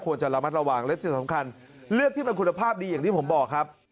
จะระมัดระวังและที่สำคัญเลือกที่มันคุณภาพดีอย่างที่ผมบอกครับ